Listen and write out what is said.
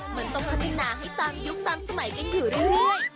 มันต้องพัฒนาให้ตามยุคตามสมัยกันอยู่เรื่อย